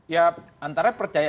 ya antara percaya